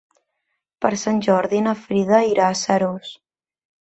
Per Sant Jordi na Frida irà a Seròs.